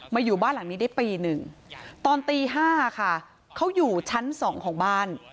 อยู่บ้านหลังนี้ได้ปีหนึ่งตอนตี๕ค่ะเขาอยู่ชั้น๒ของบ้าน